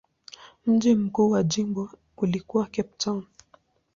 Mji mkuu wa jimbo ulikuwa Cape Town.